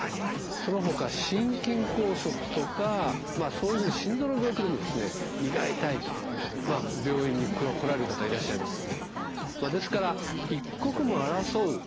そのほか心筋梗塞とかまあそういう心臓の病気でも胃が痛いと病院に来られる方いらっしゃいます。